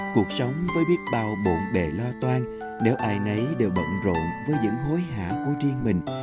cuộc sống với biết bao bộn bề lo toan nếu ai nấy đều bận rộn với những hối hả của riêng mình